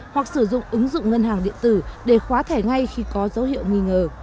hoặc sử dụng ứng dụng ngân hàng điện tử để khóa thẻ ngay khi có dấu hiệu nghi ngờ